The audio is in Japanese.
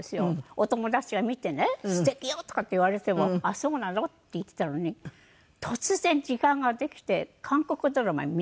お友達が見てね「すてきよ」とかって言われても「あっそうなの？」って言っていたのに突然時間ができて韓国ドラマを見だしたんです。